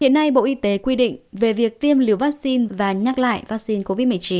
hiện nay bộ y tế quy định về việc tiêm liều vaccine và nhắc lại vaccine covid một mươi chín